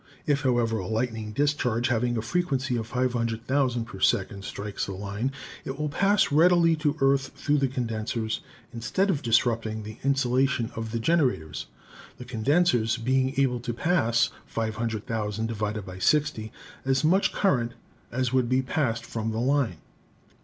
If, however, a lightning discharge having a frequency of 500,000 per second strikes the line, it will pass readily to earth through the condensers instead of disrupting the insulation of the generators, the condensers being able to pass 50 6% 0<? as much current as would be passed from the line.